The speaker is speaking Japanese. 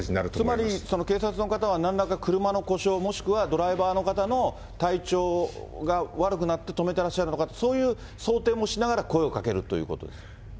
つまり警察の方はなんらか車の故障、もしくはドライバーの方の体調が悪くなって停めてらっしゃるのか、そういう想定もしながら声をかけるということですか。